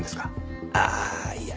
ああいや